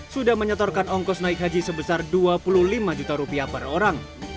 sudah menyetorkan ongkos naik haji sebesar dua puluh lima juta rupiah per orang